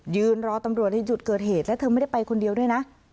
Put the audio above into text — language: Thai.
ยืนรอตำรวจในจุดเกิดเหตุและเธอไม่ได้ไปคนเดียวด้วยนะ